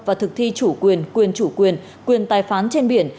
và thực thi chủ quyền quyền chủ quyền quyền tài phán trên biển